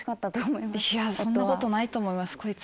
いやそんなことないと思います「こいつ」。